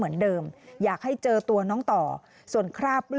มึงอยากให้ผู้ห่างติดคุกหรอ